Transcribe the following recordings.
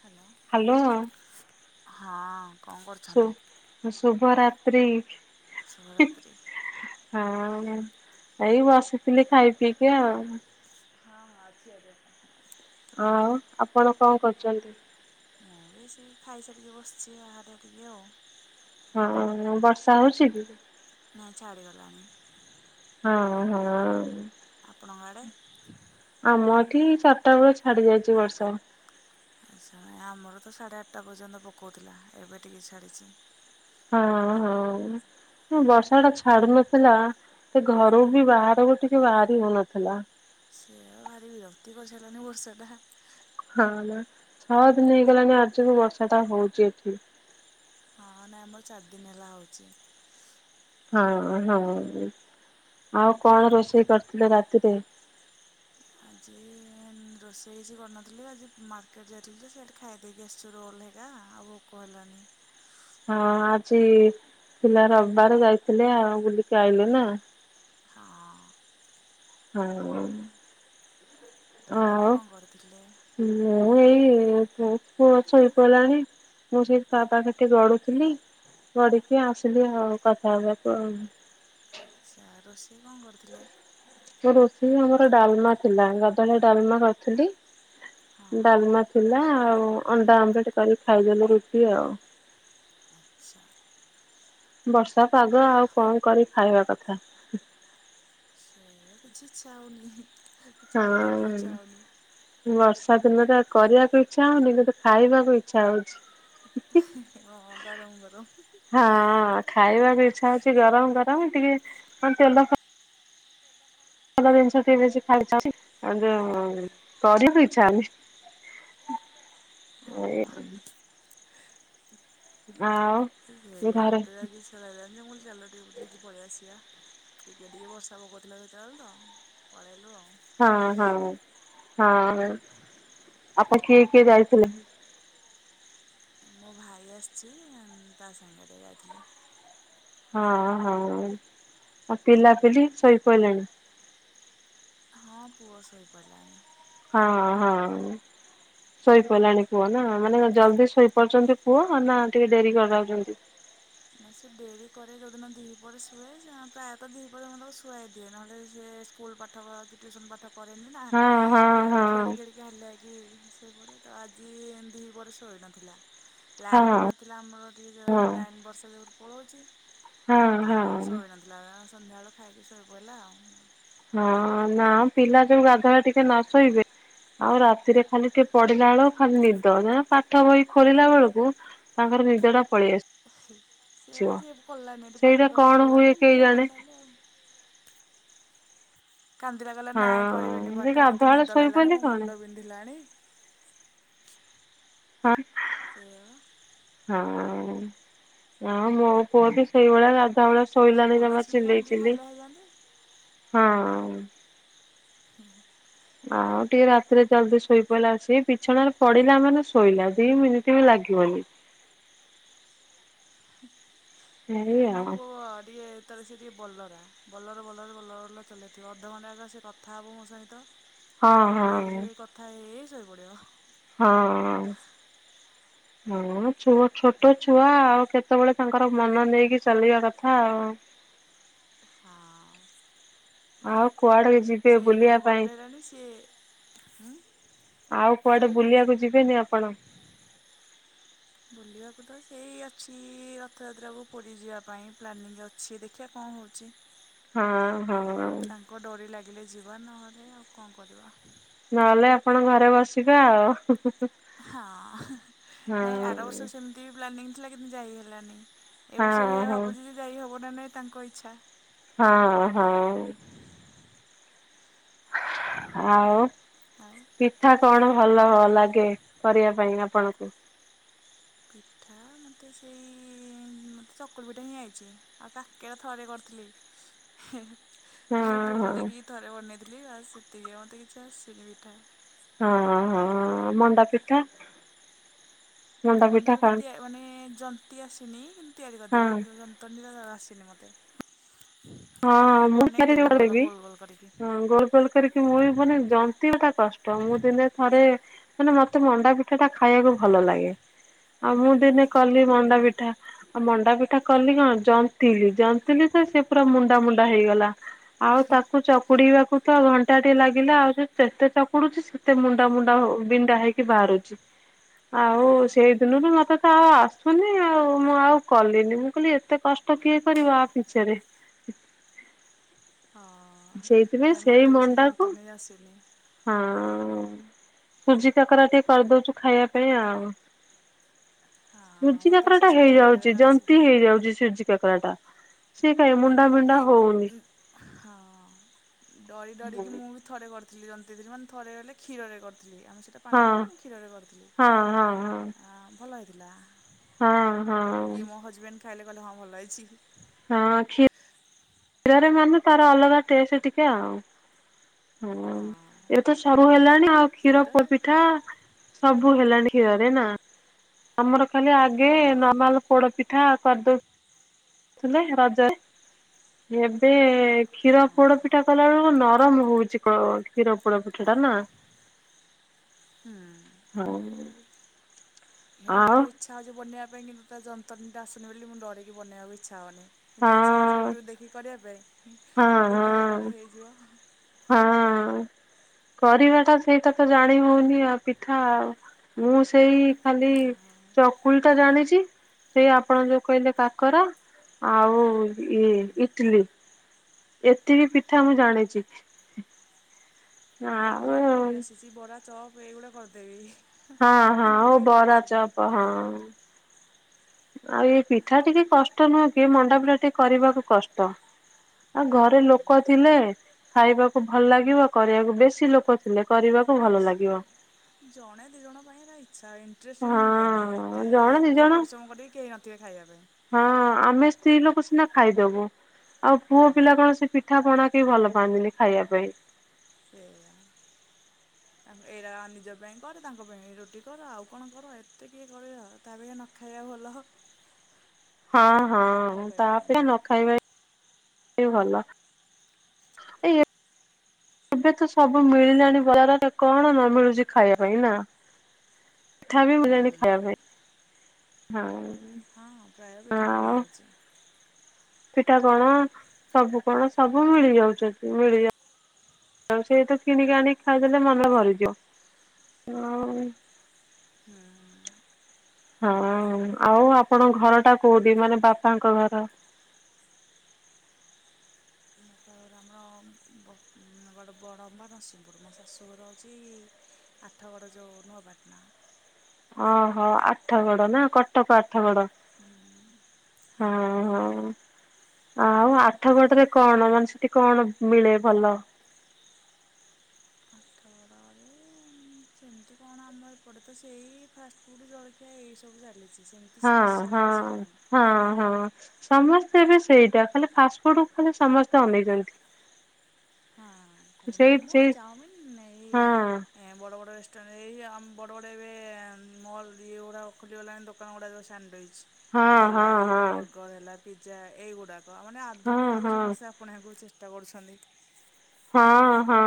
Hello hello ହଁ କଣ ଶୁ କରୁଛନ୍ତି? ଶୁଭରାତ୍ରି। ଶୁଭ ରାତ୍ରି। ହଁ ଏଇ ବସିଥିଲି ଖାଇ ପିଇକି ଆଉ। ହଁ ଅଛି ଆଜ ହଁ ଆପଣ କଣ କରୁଛନ୍ତି? ମୁଁ ସେ ଖାଇ ସରିକି ବସିଛି [unintelligible] ଟିକେ ଆଉ। ହଁ ବର୍ଷା ହଉଛି କି? ନାଁ ଛାଡ଼ି ଗଲାଣି। ହଁ ହଁ। ଆପଣଙ୍କ ଆଡ଼େ? ଆମ ଏଠି ଚାରିଟା ବେଳେ ଛାଡି ଯାଇଛି ବର୍ଷା। ଆଚ୍ଛା ଆମର ତ ସାଢ଼େ ଆଠଟା ପର୍ଯ୍ୟନ୍ତ ପକଉଥିଲା ଏବେ ଟିକିଏ ଛାଡ଼ିଛି। ହଁ ହଁ। ବର୍ଷା ଟା ଛାଡୁ ନଥିଲା ଟି ଘରୁ ବି ବାହାରକୁ ଟିକେ ବାହାରି ହଉନଥିଲା। ଏ ଭାରି ବିରକ୍ତି କରିସାରିଲାଣି ବର୍ଷ ଟା। ହଁ ନା ଛଅ ଦିନ ହେଇଗଲାଣି ଆଜିକୁ ବର୍ଷା ଟା ହଉଛି ଏଠି। ହଁ ନାଇଁ ଆମର ଚାରି ଦିନ ହେଲା ହଉଛି। ହଁ ହଁ ଆଉ କଣ ରୋଷେଇ କରିଥିଲେ ରାତିରେ? ଆଜି ରୋଷେଇ କିଛି କରିନଥିଲି ଆଜି ମାର୍କେଟ ଯାଇଥିଲୁ ତ ସେଇଠି ଖାଇଦେଇକି ଆସିଛୁ ରୋଲ୍ ହେ ଆ ଆଉଭୋକ ହେଲାଣିି। ହଁ ଆଜି ଥିଲା ରବିବାର ଯାଇଥିଲେ ଆଉ ବୁଲିକି ଆଇଲେ ନା। ହଁ। [unintelligible] ଆପଣ କଣ କରୁଥିଲେ? ହୁଁ ମୁଁ ଏଇ ପୁଅ ଛୋ ଶୋଇପଡିଲାଣି ମୁଁ ସେଇ ତା ପାଖରେ ଟିକେ ଗଡୁଥିଲି। ଗଡିକି ଆସିଲି ଆଉ କଥା ହେବାକୁ। ଆଛା ରୋଷେଇ କଣ କରୁଥିଲେ? ରୋଷେଇ ଆମର ଡାଲମା ଥିଲା ଗାଧୁଆ ବେଳେ ଡାଲମା କରିଥିଲି। ହଁ ଡାଲମା ଥିଲା ଆଉ ଅଣ୍ଡା ଅମଲେଟ କରିକି ଖାଇଦେଲେ ରୁଟି ଆଉ। ଆଚ୍ଛା। ବର୍ଷା ପାଗ ଆଉ କଣ କରି ଖାଇବା କଥା। ସେ କିଛି ଇଛା ହଉନି। କିଛି ହଁ। କରିବାକୁ ଇଚ୍ଛା ହଉନି ବର୍ଷା ଦିନରେ କରିବାକୁ ଇଚ୍ଛା ହଉନି କିନ୍ତୁ ଖାଇବାକୁ ଇଚ୍ଛା ହଉଛି। ହଁ ଗରମ ଗରମ। ହଁ ଖାଇବା କୁ ଇଚ୍ଛା ହଉଛି ଗରମ ଗରମ ଟିକେ କଣ ତେଲ [unintelligible] କିନ୍ତୁ କରିବାକୁ ଇଚ୍ଛା ହଉନି। ହଁ। ଆଉ ମତେ ବି ଘରେ ଆଉ କିଛି [unintelligible] ମୁଁ କହିଲି ଚାଲ ଟିକେ ବୁଲି ଦେଇକି ପଳେଇ ଆସିବା। ଟିକେ ଟିକେ ବର୍ଷା ପକଥିଲା ସେତେବେଳେ ତ ପଳେଇଲୁ ଆଉ। ହଁ ହଁ ହଁ। ଆପଣ କିଏ କିଏ ଯାଇଥିଲେ? ମୋ ଭାଇ ଆସିଚି ତା ସାଙ୍ଗରେ ଯାଇଥିଲି। ହଁ ହଁ। ଆଉ ପିଲାପିଲି ଶୋଇପଇଲେଣି? ହଁ ପୁଅ ଶୋଇପାଇଲାଣିି। ହଁ ହଁ। ଶୋଇପଇଲାଣି ପୁଅ ନା। ମାନେ ଜଲଦି ଶୋଇପଡୁଛନ୍ତି ପୁଅ ନା ଟିକେ ଡେରି କରାଉଛନ୍ତି। ନା ସେ ଡେରି କରେ ଯଉଦିନ ଦି ପହରେ ଶୁଏ ପ୍ରାୟତଃ ଦିପହ ରେ ମୁଁ ତାକୁ ଶୁଆଇ ଦିଏ। ନହେଲେ ସେ ସ୍କୁଲ ପାଠ କି ଟ୍ୟୁସନ ପାଠ କରନି ନା। ହଁ ହଁ ଯାହା ହଁ ଖେଳି ଖେଳି ଯାହା ହେଲେ ବି ଶୋଇପଡ଼େ ତ ଆଜି ଏମିତି ଦିପହରେ ଶୋଇନଥିଲା। ହଁ ଲାଇନ ହଁ ବି ନଥିଲା ଆମର ଟିକେ ଲାଇନ ବର୍ଷା ଯୋଗୁ ପଳଉଚି। ହଁ ତ ହଁ। ଶୋଇନ [unintelligible] ସନ୍ଧ୍ୟାବେଳୁ ଖାଇକି ଶୋଇପଇଲା ଆଉ। ହଁ ନା ପିଲା ଯୋଉ [unintelligible] ଟିକେ ନ ଶୋଇବେ ଆଉ ରାତିରେ ଖାଲି ଟିକେ ପଢିଲା ବେଳକୁ ଖାଲି ନିଦ। ଆ ପାଠ ବହି ଖୋଲିଲା ବେଳକୁ ତାଙ୍କର ନିଦ ଟା ପଳେଇ ଆସ ନା ସିଏ ପଢ଼ିଲାନି ସେଇଟା ପାଠ ତକ କଣ ହୁଏ କଲାନି, ମୁଁ କହିଲି କେଇଜାଣେ ହଉ ତାହେଲେ ଆଉ। କାନ୍ଦିଲା କହିଲା ହଁ ନାଇଁ କରିବିନି ସେ ପାଠ, ମୋତେ ଗାଧୁଆବେଳେ ନିଦ ଲାଗିଲାଣି ଶୋଇପଇଲେ ମୋ କଣ ମୁଣ୍ଡ ପିନ୍ଧିଲାଣି [unintelligible] ସେଇୟା ପା। ହଁ। ଆ ମୋ ପୁଅ ବି ସେଇଭଳିଆ ଗାଧୁଆବେଳେ ଶୋଇଲାନି ସ୍କୁଲ ଜମା ଆସିଲେ ସେମାନେ ଚିଲେଇ ଟିକେ ଚିଲେଇ, ହାଲିଆ ହେଇଯାଆନ୍ତି। ହଁ। ଆଉ ଟିକେ ରାତିରେ ଜଲଦି ଶୋଇ ପଡ଼ିଲା। ସେ ବିଛଣାରେ ପଡିଲା ମାନେ ଶୋଇଲା ଦି ମିନିଟ ବି ଲାଗିବନି। ଏଇ ନାଇଁ ମୋ ଆଉ ପୁଅ ଟିକେ ତାପରେ ସିଏ ଟିକେ ବଲରା। ବଲର ବଲର ବଲର ବଲର ଚଲେଇଥିବ ଅଧଘଣ୍ଟା ଆଗ ସେ କଥା ହେବ ମୋ ସହିତ ହଁ ତାପରେ ଧିରେ ହଁ ଧିରେ କଥା ହେଇ ହେଇ ଶୋଇ ପଡିବ। ହଁ। [inaudible] ହଁ ଛୋ ଛୋଟ ଛୁଆ ଆଉ କେତେବେଳେ ତାଙ୍କର ମନ ନେଇକି ଚାଲିବା କଥା ଆଉ। ହଁ। ଆଉ କୁଆଡେ କୁ ଯିବେ ସେ ବୁଲିବା ପାଇଁ? ବଡ଼ଟେ ହେଲାଣି ସିଏ ହୁଁ ଆଉ କୁଆଡେ ବୁଲିବାକୁ ଯିବେନି ଆପଣ? ବୁଲିବାକୁ ତ ସେଇ ଅଛି ରଥଯାତ୍ରାକୁ ପୁରୀ ଯିବା ପାଇଁ ପ୍ଲାନିଂ ଅଛି। ଦେଖିବା କଣ ହଉଛି। [inaudible] ହଁ, ହଁ। ତାଙ୍କ ଡୋରି ଲାଗିଲେ ଯିବା ନହେଲେ ଆଉ କଣ କରିବା। ନହେଲେ ଆପଣ ଘରେ ବସିବେ ଆଉ। ହଁ। ନାଇଁ ଆର ବର୍ଷ ସେମିତି ପ୍ଲାନିଂ ଥିଲା କିନ୍ତୁ ଯାଇ ହେଲାନି। ଏ ବର୍ଷ ହଁ ଏଇଆ ହଁ ଭାବୁଚି ଯେ ଯାଇ ହେବ ନା ନାହିଁ ତାଙ୍କ ଇଚ୍ଛା। ହଁ ହଁ। ଆଉ ଆଉ ପିଠା କଣ ଭଲ ଆପଣ କରିବେ। ଲାଗେ? କରିବା ପାଇଁ ଆପଣଙ୍କୁ। ପିଠା ମୋତେ ସେଇ ମତେ ଚକୁଳି ପିଠା ହିଁ ଆଇଚି। ଆଉ କା କେରା ଥରେ କରିଥିଲି। ହଁ ୟୁଟ୍ୟୁବ ରୁ ହଁ ଦେଖିକି ଥରେ ବନେଇଥିଲି ବାସ୍ ସେତିକି। ମତେ କିଛି ଆସିନି ପିଠା। ହଁ ହଁ ମଣ୍ଡା ପିଠା ମଣ୍ଡା ପିଠା ମଣ୍ଡାପିଠା ତିଆ ଖାଆନ୍ତି ମାନେ ଯନ୍ତୀ ଆସିନି ଏମିତି ତିଆରି କରିଦେବି ହଁ। ଏମିତି ଜନ୍ତିବା ଆସିନି ମତେ ହଁ କିନ୍ତୁ ବନେଇଦବି ଭଲ ଗୋଲ ଗୋଲ କରିକି। ଗୋଲୋଗୋଲ କରିକି ମୁବି ବନେଇ ଜନ୍ତିବାଟା କଷ୍ଟ ମୁଁ ଦିନେ ଥରେ ମାନେ ମତେ ମଣ୍ଡା ପିଠା ଟା ଖାଇବାକୁ ଭଲ ଲାଗେ। ଆଉ ମୁଁ ଦିନେ ଆଚ୍ଛା କଲି ମଣ୍ଡା ପିଠା ଆଉ ମଣ୍ଡା ପିଠା କଲି କଣ ଜନ୍ତିଲି, ଜନ୍ତିଲି ତ ସେ ପୁରା ମୁଣ୍ଡା ମୁଣ୍ଡା ହେଇଗଲା। ଆଉ ତାକୁ ଚ କୁଡ଼ିବାକୁ ତ ଘଣ୍ଟାଟେ ଲାଗିଲା ଆଉ ଯେତେ ଚକୁଡୁଛି ସେତେ ମୁଣ୍ଡା ମୁଣ୍ଡା ହୋ ବିଣ୍ଡା ହେଇକି ବାହାରୁଛି। [inaudible] ଆଉ ସେଇ ଦିନଠୁ ମୋତେ ତ ଆଉ ଆସୁନି ଆଉ ମୁଁ ଆଉ କଲିନି ମୁଁ କହିଲି ଏତେ କଷ୍ଟ କିଏ କରିବ ଆ ପିଛାରେ। [inaudible] ହଁ ନାଇଁ ମୋତେ ବି ସେଇ ଜନ୍ତ ଦେଇ ଆସିନି। ହଁ। ସୁଜି କାକରା ଟିକେ କରିଦଉଛୁ ଖାଇବା ପାଇଁ ଆଉ। ହଁ ସୁଜି ମୋତେ ବି କାକରା ସେ ଟା ସୁଜି ହେଇଯାଉଛି କାକରାଟା ଜନ୍ତି ଆସିଛି ହେଇଯାଉଛି ସୁଜି କାକରା ଟା। ସେ କାଇଁ ନା ମୁଣ୍ଡା ମୁଁ ବି ବିଣ୍ଡା ହଉନି। ହଁ ଡରି ଡରି କି ହଁ ମୁଁ ବି ଥରେ କରିଥିଲି ଜନ୍ତିଥିଲି ମାନେ ଥରେ ହେଲେ କ୍ଷୀରରେ କରିଥିଲି ଆମେ ସେଇଟା ପାଣିରେ ହୁଏ ମୁଁ କ୍ଷୀରରେ କରିଥିଲି। ହଁ ହଁ ହଁ ଆ ଭଲ ହେଇଥିଲା। ହଁ ହଁ ଇଏ ମୋ ହଜବେଣ୍ଡ ଖାଇଲେ କହିଲେ ହଁ ଭଲ ହେଇଛି। ହଁ ଖି କ୍ଷୀରରେ ମାନେ ତାର ଅଲଗା ଟେଷ୍ଟ ଟିକେ ଆଉ। ହଁ ଏବେ ତ ସବୁ ହେଲାଣି ଆଉ କ୍ଷୀର ସେଇଟା ପୋ ପିଠା ସବୁ ହେଲାଣି କ୍ଷୀରରେ ନା ଆମର ଖାଲି ଆଗେ ହଁ ନବା ପୋଡ ପିଠା କରିଦଉ ଥିଲେ ରଜରେ ଏବେ କ୍ଷୀର ପୋଡ ପି ପିଠା କଲା ବେଳକୁ ନରମ ହଉଚି କ କ୍ଷୀର ପୋଡ ପିଠା ଟା ନା। ହୁଁ। ହଁ। ହେରା ଆଉ ଭାରି ଇଚ୍ଛା ହଉଛି ବନେଇବା ପାଇଁ କିନ୍ତୁ ତା ଯନ୍ତଣି ଟା ଆସୁନି ବୋଲି ମୁ ଡରିକି ବନେଇବାକୁ ଇଛା ହଉନି। ହଁ କିନ୍ତୁ ଇଚ୍ଛା ହେଉଛି ୟୁଟ୍ୟୁବ ଦେଖିକି କରିବା ପାଇଁ ହଁ ଭୁଲ ଭାଲ କାଳେ ହେଇଯିବ। ହଁ ଆଁ। କରିବାଟା ସେଇଟା ତ ଜାଣି ହଉନି ଆଉ ପିଠା ଆଉ ମୁଁ ସେଇ ଖାଲି ହଁ। ଚକୁଳିଟା ଜାଣିଚି ସେ ଆପଣ ଯୋଉ କହିଲେ କାକରା ଆଉ ଇ ହୁଁ ଇଟିଲି। ଏତିକି ପିଠା ମୁଁ ଜାଣିଛି। ଆଉ ବରା କରି ଆସିଛି ବରା ଚପ୍ ଏଇଗୁଡା କରିଦେବି। ହଁ ହଁ କିନ୍ତୁ ଓ ହେଇଗୁଡ଼ା ବରା ଆସିନି ଚପ ହଁ। ଆଉ ଏଇ ପିଠା ଟିକେ କଷ୍ଟ ନୁହେଁ କି ଏ ମଣ୍ଡାପିଠା ଟିକେ କରିବାକୁ କଷ୍ଟ। ଆଉ ହଁ। ଘରେ ଲୋକ ଥିଲେ ଖାଇବାକୁ ଭଲ ଲାଗିବ କରିବାକୁ ବେଶୀ ଲୋକ ଥିଲେ କରିବାକୁ ଭଲ ସେ ଲାଗିବ। ଜଣେ ଦି ଜଣ ପାଇଁ ଏରା ଇଚ୍ଛା ହୁଏ ଇନ୍ତ୍ରେଷ୍ଟ୍ ହିଁ ହୁଏନି ହଁ ଏତେ ଜଣେ ଦି ଏତେ ଜଣ ପରିଶ୍ରମ କରିକି କେହି ନଥିବେ ଖାଇବା ପାଇଁ ହଁ ଆମେ ସ୍ତ୍ରୀ ଲୋକ ସିନା ଖାଇଦବୁ। ଆଉ ହଁ। ପୁଅ ପିଲା କଣ ସେ ପିଠା ପଣା କେହି ଭଲ ପାଆନ୍ତିନି ଖାଇବା ପାଇଁ। ସେଇଆ ତା ଏଇରା ନିଜ ପାଇଁ କରେ ତାଙ୍କ ପାଇଁ ରୋଟି କର ଆଉ କଣ କର ଏତେ କିଏ କରିବ? ତା ଅପେକ୍ଷା ନ ଖାଇବା ଭଲ ହ। ହଁ ହଁ ତା କହିବା ଅପେକ୍ଷା ମାନେ ନ ଖାଇବା ହିଁ ଭଲ। ଏଇ ଏ ଏବେ ତ ସବୁ ମିଳିଲାଣି ବଜାରରେ କଣ ନ ମିଳୁଛି ଖାଇବା ପାଇଁ ନା। ମିଠା ବି ମୁଁ ଯାଏନି ଖାଇବା ପାଇଁ। ହଁ। ହଁ ପ୍ରାୟ ପିଠା ମିଳିଯାଉଛି। ପିଠା କଣ ସବୁ କଣ ସବୁ ମିଳି ଯାଉଛନ୍ତି ମିଳିଆ ଯାଉଚି ସେଇ ତ କିଣିକି ଆଣି ଖାଇଦେଲେ ମନ ଭରିଯିବ ଆଉ। ହଁ। ହଁ ଆଉ ଆପଣ ଘର ଟା କୋଉଠି ମାନେ ବାପାଙ୍କ ଘର। ଆମର ବ ବଡ ବଡ଼ମ୍ବା ନରସିଂପୁର ମୋ ଶାଶୁଘର ହେଉଚି ଆଠଗଡ଼ ଯେଉଁ ନୂଆପାଟନା। ଓହୋ ଆଠଗଡ ନା କଟକ ଆଠଗଡ। ହୁଁ ହଁ ହଁ। ଆଉ ଆଠ ଗଡରେ କଣ ମାନେ ସେଠି କଣ ମିଳେ ଭଲ। ଆଠଗଡ଼ ରେ ସେମିତି କଣ ଆମ ଆମ ଏପଟେ ତ ସେଇ ଫାଷ୍ଟଫୁଡ଼୍ ଜଳଖିଆ ଏଇ ସବୁ ଚାଲିଛି ସେମିତି ହଁ ସ୍ପେଶସିଆଲ୍ ହଁ। କିଛି ନାହିଁ। ହଁ ହଁ। ସମସ୍ତେ ଏବେ ସେଇଟା ଖାଲି ଫାଷ୍ଟଫୁଡ କୁ ଖାଲି ସମସ୍ତେ ଅନେଇଛନ୍ତି। ହଁ ଖାଲି ସେଇ ମୋମୋ ସେଇ ଚାଉମିନ୍ ଏଇ ହଁ ଏ ବଡ ବଡ ରେଷ୍ଟୁରାଣ୍ଟ ଏଇ ଆମ ବଡ ବଡ ଏବେ ମଲ୍ ଇଏ ଗୁଡାକ ଖୋଲିଗଲାଣି ଦୋ କଣ ଗୋଟା ଯୋଉ ସାଣ୍ଡୱିଚ୍ ହଁ ହେଲା ହଁ ହଁ ଯେମିତି ବଗର ହେଲା। ପିଜା ଏଇଗୁଡ଼ାକ ମାନେ ହଁ ଆଧୁନିକକୁ ହଁ। ସମସ୍ତେ ଆପଣେଇବାକୁ ଚେଷ୍ଟା କରୁଛନ୍ତି। ହଁ ହଁ।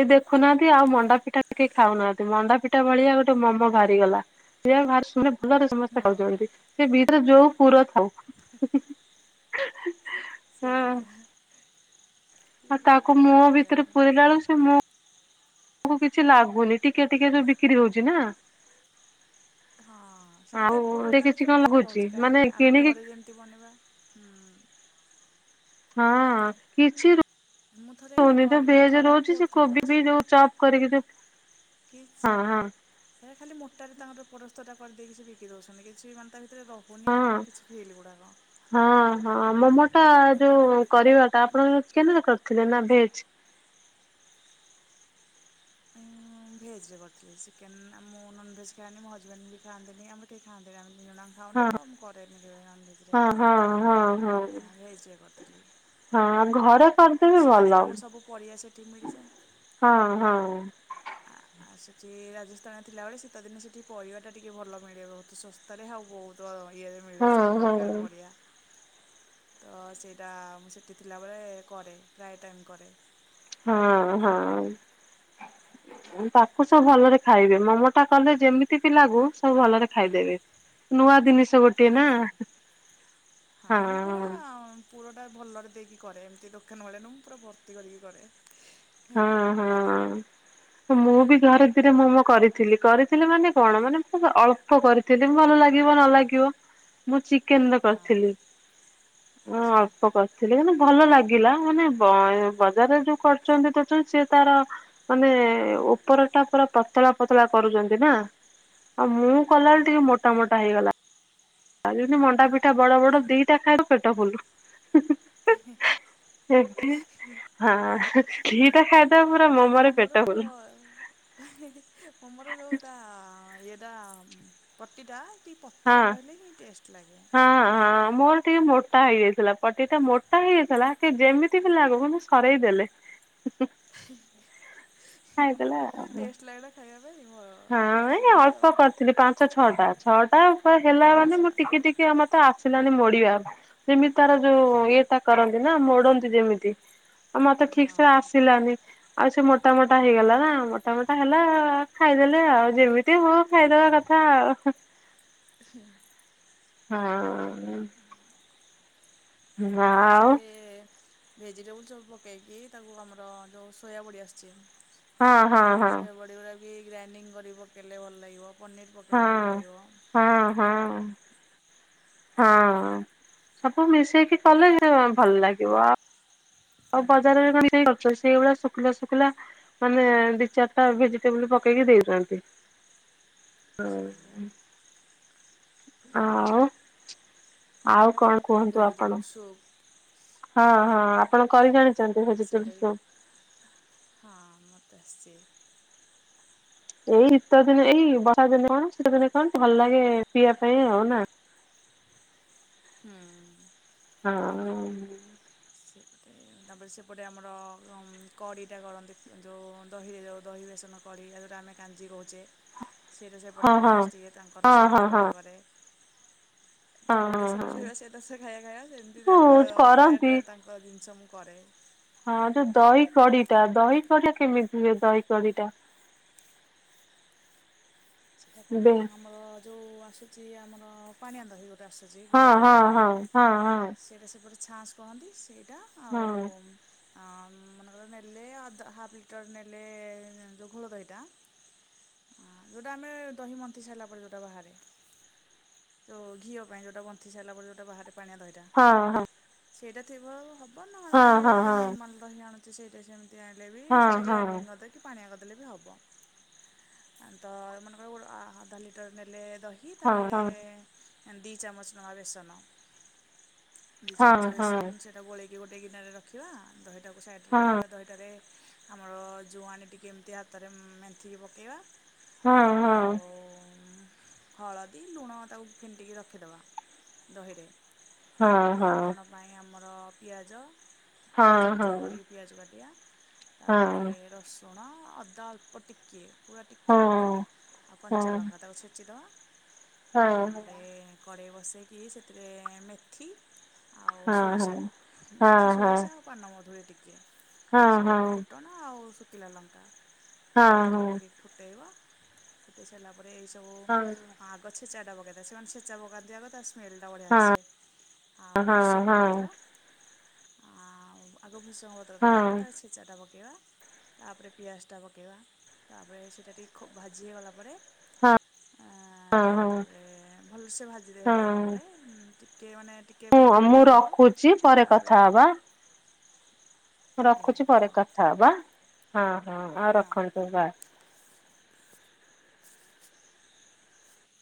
ଏଇ ଦେଖୁନାହାନ୍ତି ଆଉ ମଣ୍ଡା ପିଠା କେହି ଖାଉ ନାହାନ୍ତି ମଣ୍ଡା ପିଠା ଭଳିଆ ଗୋଟେ ମୋମୋ ବାହାରି ଗଲା। ସେଆ କୁ ଭାରୀ ଶୁଆ ମାନେ ଭଲରେ ସମସ୍ତେ ହଁ ଖାଉଛନ୍ତି ସେ ଭିତରେ ଯୋଉ ପୁର ଥାଉ। ସେଇଆ। ସେ ଆଉ ତାକୁ କଣ ମୋମ କରିବା ଭିତରେ ପୁରେଇଲା ବେଳୁକୁ ସେ ମୋ ଟୁକୁ କିଛି ଲାଗୁନି ଟିକେ ଟିକେ ଯୋଉ ବିକ୍ରି ହଉଛି ନା। ହଁ ସେଇ ଆଉ ତା ପୁର ସେ ତା କିଛି ଭିତରେ କଣ ଲାଗୁଛି ରହୁଛି ମାନେ କାଇଁ ଆମେ କିଣିକି ଘରେ ଯେମତି। ଦି ବନେଇବା ହୁଁ। ହଁ କିଛି ମୁଁ ଥରେ କ ରହୁନି ଯୋଉ ମୁଁ ଭେଜ ଥରେ ନୁହଁ ରହୁଛି ବହୁତ ସେ ଥର କୋବି କରିଛି ବି ଯୋଉ। ଚପ୍ କରିକି ଯେଉ। କିଛି। ସେ ଖାଲି ମୋଟାରେ ତାଙ୍କର ପରସ୍ତ ଟା କରିଦେଇକି ସେ ବିକି ଦଉଛନ୍ତିି କିଛି ମାନେ ତା ଭିତରେ ରହୁ ଉନି ହଁ। କିଛି ଫିଲ ଗୁଡ଼ାକ। ହଁ ହଁ ମୋମୋ ଟା ଯୋଉ କରିବାଟା ଆପଣ ଚିକେନ ରେ କରିଥିଲେ ନା ଭେଜ। ମୁ ଭେଜ୍ ରେ କରିଥିଲି ଚିକେନ ଆ ମୁଁ ନନଭେଜ୍ ଖାଏନି ମୋ ହଜବେଣ୍ଡ ବି ଖଆନ୍ତିିନି ଆମର କେହି ଖାଆନ୍ତିନି ଆମେ ଦି ଜଣ। ଖାଉନା ହଁ ତ ମୁଁ କରେନି କେବେ ନନଭେଜ୍ ରେ ହଁ ହଁ ହଁ ହଁ। ଆଁ ଭେଜ୍ ରେ କରିଥିଲି। ହଁ ଘରେ। କରିଦେବେ ଭଲ ଶୀତଦିନେ ଆମର ସବୁ ପରିବା ସେଠି ମିଳିଯାଏ। ହଁ ହଁ। ଆ। ଆଉ ସେଠି ରାଜସ୍ଥାନରେ ଥିଲାବେଳେ ଶୀତଦିନେ ସେଠି ପରିବାଟା ଟିକେ ଭଲ ମିଳେ ବହୁତ ସସ୍ଥାରେ ଆଉ ବହୁତ। ତ ଇଏରେ ମିଳେ ହଁ ସବୁ ହଁ ପ୍ରକାର ପରିବା। ତ ସେଇଟା ମୁଁ ସେଠି ଥିଲାବେଳେ କରେ ପ୍ରାୟ ଟାଇମ୍ କରେ। ହଁ ହଁ। [inaudible] ତାକୁ ସବୁ ଭଲରେ ଖାଇବେ ମୋମୋ ଟା କଲେ ଯେମିତି ଭି ଲାଗୁ ସବୁ ଭଲରେ ଖାଇଦେବେ। ନୂଆ ଦିନିଷ ଗୋଟେ। ହଁ ହଁ ମୁଁ ପୁରା। ପୁରଟା ଭଲରେ ଦେଇକି କରେ ଏମିତି ଦୋକାନ ଭଳିଆ ନୁହଁ ମୁଁ ପୁରା ଭର୍ତ୍ତି କରିକି କରେ। ହଁ ହଁ। ମୁଁ ବି ଘରେ ଦିନେ ମୋମ କରିଥିଲି କରିଥିଲି ମାନେ କଣ ମାନେ ପୁରା ଅଳ୍ ଳ୍ପ କରିଥିଲି ଭଲ ଲାଗିବ ନ ଲାଗିବ। ହ ମୁଁ ଚିକେନର କରିଥିଲି ଆଚ୍ଛା ଅଳ୍ପ କରି ଥିଲି ମାନେ ଭଲ ଲାଗିଲା ମାନେ ବୟ ବଜାରରେ ଯୋଉ କରଛନ୍ତି ତ ସିଏ ତାର। ମାନେ ଓପର ଟା ପୁରା ପତଳା ପତଳା କରୁଛନ୍ତି ନା। ଆଉ ମୁଁ କଲାବେଳେ ହଁ ଟିକେ ମୋଟା ମୋଟ ହେଇଗଲା। ଯେମତି ମଣ୍ଡା ପିଠା ବଡ ବଡ ଦି ଟା ଖାଇବ ପେଟ ଫୁଲୁ। [unintelligible] ଧିଟା ଖାଇଦେବ ପୁରା ମୋମ ରେ ପେଟ ଫୁଲ। ହଁ ମୋ ମୋର ଯୋଉଟା ଏଇଟା ପତିଟା ଟି ହଁ ପତଳା ରହିଲେ ହିଁ ଟେଷ୍ଟ ଲାଗେ। ହଁ ହଁ ମୋର ଟିକେ ମୋଟା ହେଇଯାଇଥିଲା। ପତି ଟା ମୋଟା ହେଇଯାଇଥିଲା କି ଯେମିତି ଥିଲା ଆଗକୁ ମୁଁ ସରେଇ ଦେଲେ। ହୁଁ ହୁଁ, ଖାଇଦେଲା ସେଟା ଆଉ। ଟେଷ୍ଟ ଲାଗିଲା ଖାଇବା ପାଇଁ ବି ମୋର ହଁ ଏ ଅଳ୍ପ କରିଥିଲି ପାଞ୍ଚ ଛଅଟା। ଛଅଟା ଉପରେ ହେଲା ମାନେ ଆଚ୍ଛା ମୁଁ ଟିକେ ଟିକେ କିଏ ଆମର ତ ଆସିଲାନି ମୋଡିବାର। ସେମିତି ତାର ଯୋଉ ଇଏ ତା କରନ୍ତି ନା ମୋଡନ୍ତି ଯେମିତି। ଆଉ ମତେ ଠିକ୍ ହଁ ସେ ଆସିଲାନି। ଆଉ ସେ ମୋଟା ମୋଟା ହେଇଗଲା ନା ମୋଟାମୋଟା ହେଲା। ଖାଇଦେଲେ ଆଉ ଯେମିତି ହଉ ଖାଇଦବା କଥା ଆଉ। ହଁ। ଆଜି ଆଉ ଭେ ଭେଜିଟେବୁଲ ଚପ୍ ପକେଇକି ତାକୁ ଆମର ଯୋଉ ସୋୟା ବଡ଼ି ଆସିଛି। ହଁ ହଁ ହଁ ସୋୟା ବଡ଼ି ଗୁଡ଼ା ବି ଗ୍ରାଇଣ୍ଡିଙ୍ଗ କରି ପକେଇଲେ ଭଲ ଲାଗିବ। ପନିର ହଁ ହଁ ହଁ। ହଁ, ସବୁ ମିଶେଇକି କଲେ ଭଲ ଲାଗିବ ଆ ଆଉ ବଜାରରେ। [unintelligible] ସେଇଗୁଡା ଶୁଖିଲା ଶୁଖିଲା ମାନେ ଦି ଚାରିଟା ଭେଜିଟେବୁଲ ପକେଇକି ଦେଉଛନ୍ତି। ହଁ। ସେଇଆ ଆଉ ଆଉ କ'ଣ କୁହନ୍ତୁ ଆପଣ ଭେଜିଟେବୁଲ ସୁପ୍। ହଁ ହଁ ଆପଣ କରି ଜାଣି ସେଇଟା ବି। ହଁ ମତେ ଆସଛି। ଏଇ ଶୀତ ଦିନେ ଏଇ ବର୍ଷା ଦିନେ କ'ଣ ଶୀତ ଦିନେ କ'ଣ ଭଲ ଲାଗେ ପିଇବା ପାଇଁ ଆଉ ନା। ହୁଁ। ହଁ। ସେପଟେ ତାପରେ ସେପଟେ ଆମର କଡେଇଟା କରନ୍ତି ଯୋଉ ଦହିରେ ଯୋଉ ଦହି ବେସନ କଡେଇ ଆଯୋଉଟା ଆମେ କାଞ୍ଜି କହୁଛେ। ସେଇଟା ସେପଟେ ହଁ ହଁ ଫେମସ୍ ଟିକେ ତାଙ୍କର ହଁ ସେଇ ହଁ ହଁ ହଁ ହଁ ଖାଇବାଟା କରେ। ହଁ ଚୋଉଦଶରେ ହଁ ରହିବା ସେଇଟା ସେ ଖାଇବା ଖାଇବା ସେମିତି ଯୋଉ ତାଙ୍କର ପ୍ରାୟ କରନ୍ତି ତାଙ୍କର ଜିନିଷ ମୁଁ କରେ। ହଁ ଯୋଉ ଦହି କଡିଟା ଦହି କଡିଆ କେମିତି ହୁଏ ଦହି କଡିଟା? ଏବଂ ବେ ଆମର ଯୋଉ ଆସୁଛି ଆମର ପାଣିଆ ଦହି ଗୋଟେ ଆସୁ ଯେଇ ହଁ ଘୋଳଦହି ହଁ ଯୋଉଟା ହଁ ହଁ ସେ ସେପଟେ ଛାଞ୍ଚ କୁହନ୍ତି। ସେଇଟା ଆଉ ହଁ ଅଁ ମନେକର ନେଲେ ହାଫଜା ହାଫ୍ ଲିଟର ନେଲେ ଯୋଉ ଘୋଳ ଦହିଟା ତ ଆମେ ଦହି ମନ୍ଥି ସାରିଲା ପରେ ଯୋଉଟା ବାହାରେ। ତ ଘିଅ ପାଇଁ ଯୋଉଟା ମନ୍ଥି ସାରିଲା ପରେ ଯୋଉଟା ବାହାରେ ପାଣିଆ ଦହି ଟା ହଁ ସେଇଟା ଥିବ ହବ ନହେଲେ ହଁ ଆମେ ଯଦି ହଁ। ନର୍ମାଲ ଦହି ଆଣୁଛେ ସେଇଟା ସେମି ତି ଆଣିଲେ ବି ହଁ ସେଇଟା ହଁ ଗ୍ରାଇଣ୍ଡିଙ୍ଗ କରିଦେ କି ପାଣିଆ କରିଦେଲେ ବି ହବ। ତ ଏମାନଙ୍କର ଗୋଟେ ଆ ଅଧା ଲିଟର ନେଲେ ଦହି ହଁ ତାହେଲେ ହଁ ଦି ଚାମଚ ନବା ବେସନ। ଦି ହଁ ଚାମଚ ହଁ ହଁ ହଁ ବେସନ ସେ ତାକୁ ଗୋଳେଇକି ଗୋଟେ ଗିନାରେ ରଖିବା ଦହିଟାକୁ ସାଇଡରେ ହଁ। ରଖିବା ଦହିଟାରେ ଆମର ଜୁଆଣି ଟିକିଏ ଏମତି ହାତରେ ମେନ୍ଥିକି ପକେଇବା। ହଁ ଆଉ ହଁ ହୁଁ ହଳଦୀ, ଲୁଣ ତାକୁ ଫେଣ୍ଟିକି ରଖିଦବା ଦହିରେ ହଁ ତାପରେ ହଁ ହଁ। ଫୁଟଣ ପାଇଁ ଆମର ପିଆଜ ପୁରା ଚୁନ ହଁ ହଁ ହଁ ହଁ ହଁ ଚୁନ ହଁ। କରିକି ପିଆଜ କାଟିବା ହଁ ତାପରେ ରସ୍ ସୁଣ, ଅଦା ଅଳ୍ପ ଟିକେ ପୁରା ହଁ ଟିକେ ଅଦା ହଁ ଆଉ ହଁ କଞ୍ଚାଲଙ୍କା ତାକୁ ଛେଚି ଦବା। ହଁ ହଁ ତାପରେ କଡ଼େଇ ବସେଇକି ସେଥିରେ ମେଥି ଆଉ ହଁ ହଁ ସୋରିଷ ହଁ। କୁ ହଁ ହଁ ହଁ ମେଥି, ହଁ ସୋରିଷ ଆ ପାନମଧୁରି ଟିକେ, ସେଟାକୁ ଫୁଟଣ ଆଉ ଶୁଖିଲା ଲଙ୍କା। ଯୋଉ ତେଲ ପକେଇକି ଫୁଟେଇବ। ଫୁଟେଇ ସାରିଲା ପରେ ଏଇସବୁ ଆଗ ଛେଚାଟା ପକେଇଦେବ। ସେମାନେ ଛେଚା ପକାନ୍ତିି ଆଗ ତା ସ ସ୍ମେଲଟା ବଢ଼ିଆ ଆସେ, ହଁ ଆଉ ବୃଷଙ୍ଗ ପତ୍ର ଆଉ ଆଗ ଭୃଷଙ୍ଗ ପତ୍ରଟା ପକେଇବା, ତାପରେ ଛେ ଚାଟା ପକାଇବା, ତାପରେ ପିଆଜଟା ପକାଇବା, ତାପରେ ସେଇଟା ଟିକ ଖୁବ୍ ଭାଜି ହେଇଗଲା ପରେ ହଁ ଆଁ ହଁ। ତାପରେ ଭଲସେ ଭାଜିଦେଇଗଲା ପରେ ଉଁ ଟିକେ ମାନେ ଟିକେ ମୁଁ ପୋଡି ପୋଡି ମୁଁ ଯାଇଥିବ। ରଖୁଛି ପରେ ତାପରେ କଥା ହଉ ଆଜ୍ଞା ରଖୁଛି ଆଜ୍ଞା ପରେ ହଉ କଥାହବା, ହଁ- ହଁ ହଉ ରଖନ୍ତୁ ବାଏ।